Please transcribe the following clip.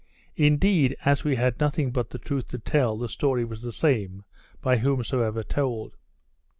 Indeed, as we had nothing but the truth to tell, the story was the same, by whomsoever told.